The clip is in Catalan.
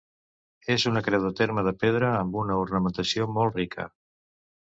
És una creu de terme de pedra amb una ornamentació molt rica.